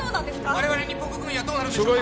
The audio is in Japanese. ・我々日本国民はどうなるんでしょうか！？